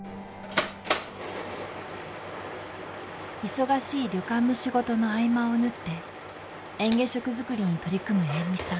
忙しい旅館の仕事の合間を縫ってえん下食作りに取り組む延味さん。